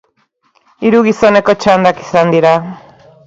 Hiru gizoneko txandak izan dira.